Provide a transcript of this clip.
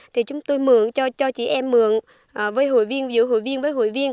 thì chúng tôi mượn cho chị em mượn với hội viên giữa hội viên với hội viên